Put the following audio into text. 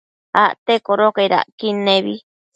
Acte codocaid acquid nebi